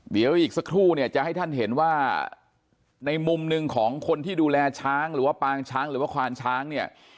เดี๋ยวอีกสักครู่เนี่ยจะให้ท่านเห็นว่าในมุมหนึ่งของคนที่ดูแลช้างหรือว่าปางช้างหรือว่าควานช้างเนี่ย